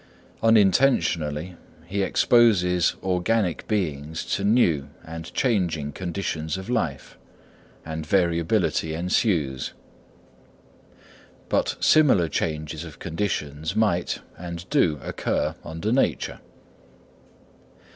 Unintentionally he exposes organic beings to new and changing conditions of life, and variability ensues; but similar changes of conditions might and do occur under nature.